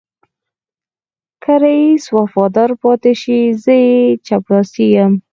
که رئيس وفادار پاتې شي زه يې چپړاسی یم.